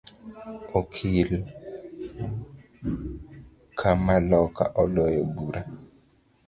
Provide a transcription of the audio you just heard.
Okil kamaloka oloyo bura